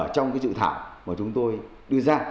trong cái dự thảo mà chúng tôi đưa ra